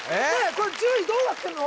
これ順位どうなってんの？